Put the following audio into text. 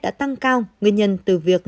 đã tăng cao nguyên nhân từ việc